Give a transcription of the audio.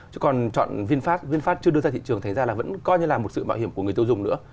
chứ còn chọn vinfast vinfast chưa đưa ra thị trường thành ra là vẫn coi như là một sự mạo hiểm của người tiêu dùng nữa